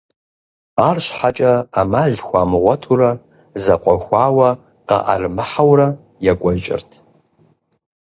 АрщхьэкӀэ Ӏэмал хуамыгъуэтурэ, зэкъуэхуауэ къаӀэрымыхьэурэ екӀуэкӀырт.